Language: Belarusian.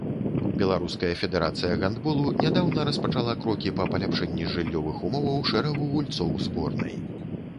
Беларуская федэрацыя гандболу нядаўна распачала крокі па паляпшэнні жыллёвых умоваў шэрагу гульцоў зборнай.